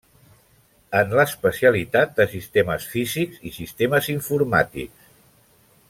En l'especialitat de sistemes Físics i Sistemes Informàtics.